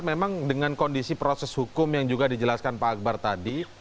memang dengan kondisi proses hukum yang juga dijelaskan pak akbar tadi